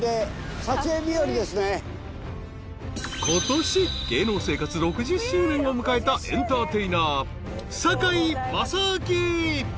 ［ことし芸能生活６０周年を迎えたエンターテイナー堺正章］